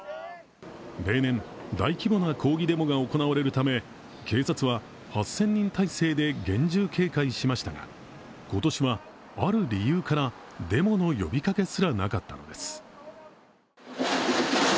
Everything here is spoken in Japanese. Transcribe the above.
例年、大規模な抗議デモが行われるため警察は８０００人態勢で厳重警戒しましたが今年は、ある理由から、デモの呼びかけすらなかったのです。